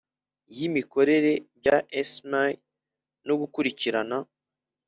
Y imikorere bya cma no gukurikirana